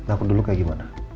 aku dulu kayak gimana